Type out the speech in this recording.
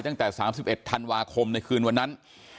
ตั้งแต่๓๑ธันวาคมในคืนวันนั้น